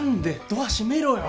ドア閉めろよ！